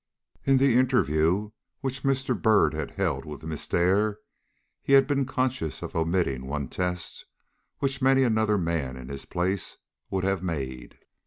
IN the interview which Mr. Byrd had held with Miss Dare he had been conscious of omitting one test which many another man in his place would have made.